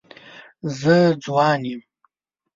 زه ځوان یم.